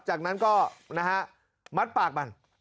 จากนั้นก็มัดปากมัน